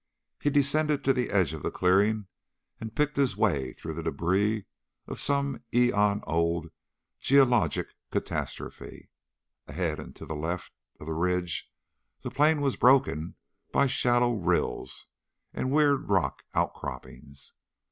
He descended to the edge of the clearing and picked his way through the debris of some eon old geologic catastrophe. Ahead and to the left of the ridge, the plain was broken by shallow rills and weird rock outcroppings.